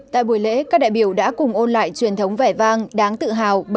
tại buổi lễ các đại biểu đã cùng ôn lại truyền thống vẻ vang đáng tự hào